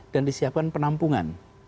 dan disiapkan penampungan